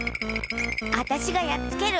あたしがやっつける。